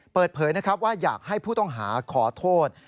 เปิดเผยนะครับว่าอยากให้ผู้ต้องหาขอโทษ